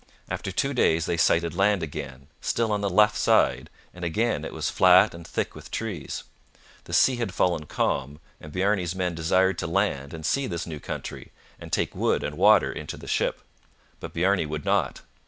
After two days they sighted land again, still on the left side, and again it was flat and thick with trees. The sea had fallen calm, and Bjarne's men desired to land and see this new country, and take wood and water into the ship. But Bjarne would not.